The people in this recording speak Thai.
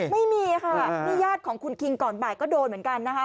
ไม่มีค่ะนี่ญาติของคุณคิงก่อนบ่ายก็โดนเหมือนกันนะคะ